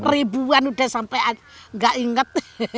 ribuan udah sampai gak inget